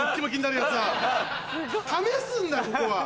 試すんだここは。